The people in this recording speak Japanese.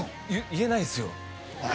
言えないですよ